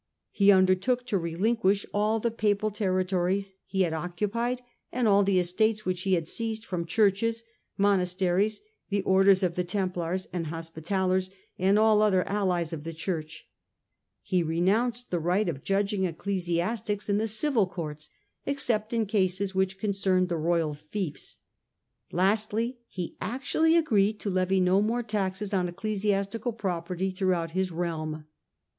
He undertook to relinquish all the Papal territories he had occupied and all the estates which he had seized from churches, monasteries, the Orders of the Templars and Hospitallers, and all other allies of the Church. He renounced the right of judging ecclesiastics in the civil courts except in cases which concerned the royal fiefs. Lastly, he actually agreed to levy no more taxes on ecclesiastical property throughout his realm.